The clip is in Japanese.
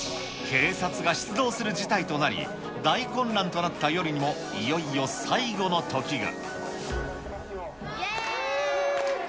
警察が出動する事態となり、大混乱となった夜にもいよいよ最後の時が。